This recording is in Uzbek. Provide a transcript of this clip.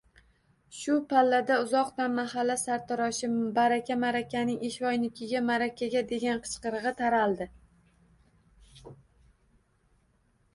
Shu pallada uzoqdan mahalla sartaroshi Baraka marakaning “Eshvoynikiga ma’rakagaaa!” degan chinqirig‘i taraldi